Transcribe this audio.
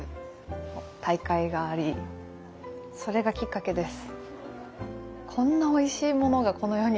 それがきっかけです。